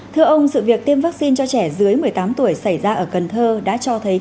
thưa ông sự việc tiêm vaccine cho trẻ dưới một mươi tám tuổi xảy ra ở cần thơ đã cho thấy